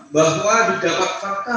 bahwa didapat fakta